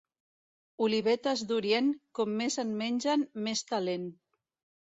Olivetes d'orient, com més en mengen, més talent.